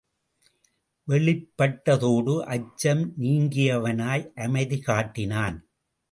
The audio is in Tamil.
வெளிப்பட்டதோடு அச்சம் நீங்கியவனாய் அமைதி காட்டினான்.